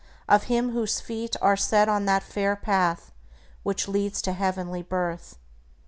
of him whose feet are set On that fair path which leads to heavenly birth!"